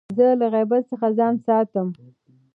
زه له غیبت څخه ځان ساتم.